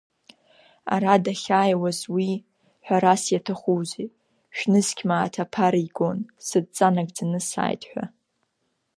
Ара дахьааиуаз уи, ҳәарас иаҭахузеи, шәнызқь мааҭ аԥара игон, сыдҵа нагӡаны сааит ҳәа.